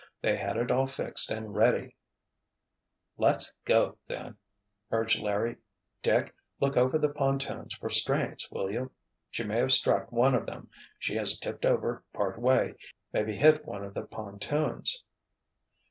They had it all fixed and ready——" "Let's go, then," urged Larry. "Dick, look over the pontoons for strains, will you? She may have struck one of them—she has tipped over part way, maybe hit one of the pontoons."